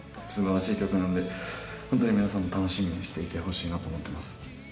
素晴らしい曲なんでホントに皆さんも楽しみにしていてほしいなと思ってます。